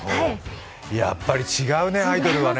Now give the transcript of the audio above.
やっぱり違うね、アイドルはね。